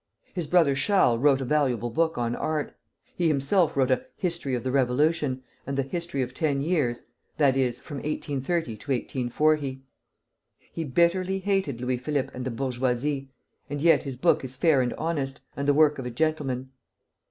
His brother Charles wrote a valuable book on art. He himself wrote a "History of the Revolution" and the "History of Ten Years," that is, from 1830 to 1840. He bitterly hated Louis Philippe and the bourgeoisie, and yet his book is fair and honest, and the work of a gentleman.